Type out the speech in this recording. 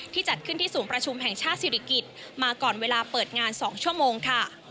จัดขึ้นที่ศูนย์ประชุมแห่งชาติศิริกิจมาก่อนเวลาเปิดงาน๒ชั่วโมงค่ะ